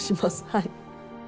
はい。